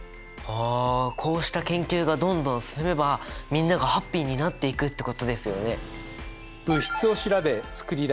あこうした研究がどんどん進めばみんながハッピーになっていくってことですよね。